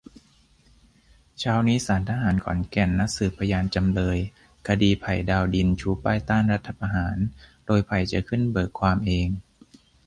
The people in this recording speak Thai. เช้านี้ศาลทหารขอนแก่นนัดสืบพยานจำเลย คดีไผ่ ดาวดิน ชูป้ายต้านรัฐประหาร โดยไผ่จะขึ้นเบิกความเอง